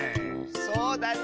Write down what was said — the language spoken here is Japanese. そうだね！